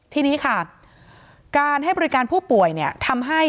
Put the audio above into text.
ทีนี้ค่ะการให้บริการผู้ป่วยเนี่ยทำให้